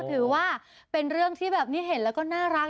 ถือว่าเป็นเรื่องที่แบบนี้เห็นแล้วก็น่ารัก